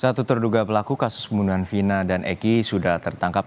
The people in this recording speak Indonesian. satu terduga pelaku kasus pembunuhan vina dan eki sudah tertangkap